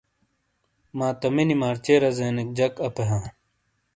ماتَمِینی مارچے رزینیک جَک اَپے ہاں۔